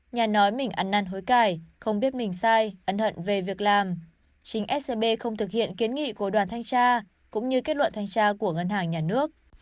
nhà nói mình ăn năn hối cải không biết mình sai ân hận về việc làm chính scb không thực hiện kiến nghị của đoàn thanh tra cũng như kết luận thanh tra của ngân hàng nhà nước